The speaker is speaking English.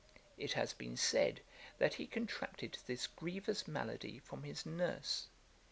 It has been said, that he contracted this grievous malady from his nurse.